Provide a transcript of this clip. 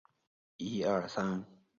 新闻节目使用华语制作。